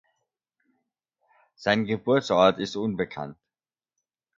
Sein Geburtsort ist unbekannt.